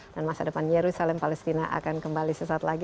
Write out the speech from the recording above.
dan masa depan jerusalem palestina akan kembali sesaat lagi